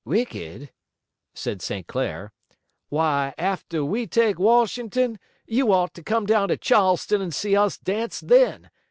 "Wicked!" said St. Clair, "why, after we take Washington, you ought to come down to Charleston and see us dance then.